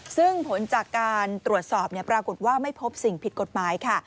ซึ่งผลจากการตรวจสอบปรากฏว่าไม่พบสิ่งผิดกฎหมายค่ะ